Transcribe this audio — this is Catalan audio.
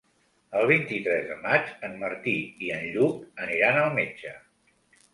El vint-i-tres de maig en Martí i en Lluc aniran al metge.